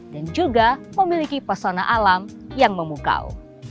dan juga memiliki persona alam yang memukau